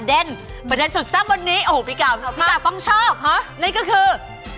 มันแบบรู้สึกว่ามันแค่มันใช่เลย